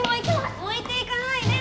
おいていかないで！